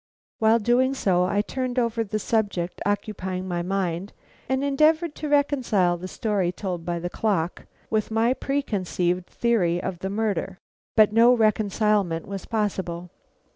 While doing so, I turned over the subject occupying my mind, and endeavored to reconcile the story told by the clock with my preconceived theory of this murder; but no reconcilement was possible.